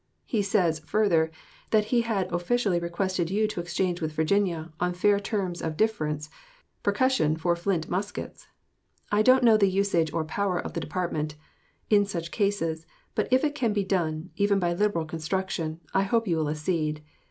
He says, further, that he had officially requested you to exchange with Virginia, on fair terms of difference, percussion for flint muskets. I don't know the usage or power of the department In such cases, but if it can be done, even by liberal construction, I hope you will accede.